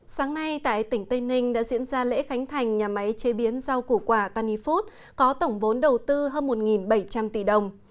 sáng nay tại tỉnh tây ninh đã diễn ra lễ khánh thành nhà máy chế biến rau củ quả tanny food có tổng vốn đầu tư hơn một bảy trăm linh tỷ đồng